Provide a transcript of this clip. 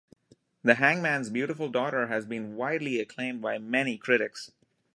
"The Hangman's Beautiful Daughter" has been widely acclaimed by many critics.